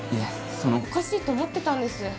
そのおかしいと思ってたんです